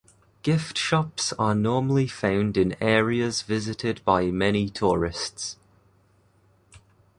Gift shops are normally found in areas visited by many tourists.